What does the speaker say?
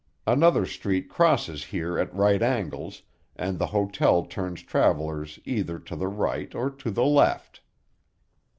Another street crosses here at right angles, and the hotel turns travellers either to the right or to the left.